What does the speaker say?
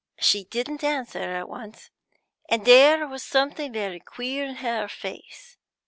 "She didn't answer at once, and there was something very queer in her face.